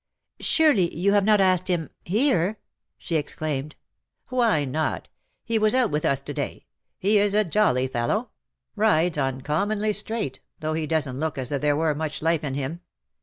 ^' Surely you have not asked him — here ?" she exclaimed. " Why not ? He was out with us to day. He is a jolly fellow ; rides uncommonly straight, though he doesn 't look as if there were much life in him.